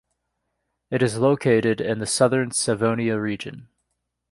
It is located in the Southern Savonia region.